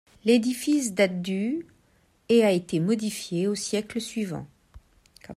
L'édifice date du et a été modifié au siècle suivant.